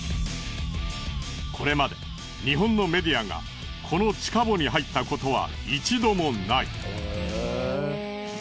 これまで日本のメディアがこの地下墓に入ったことは一度もない。